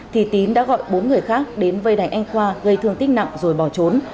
thì tín đã gọi bốn người khác đến vây đánh anh khoa gây thương tích nặng rồi bỏ trốn